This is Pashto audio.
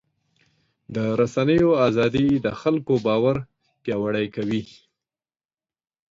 د رسنیو ازادي د خلکو باور پیاوړی کوي.